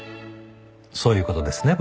そういう事ですね？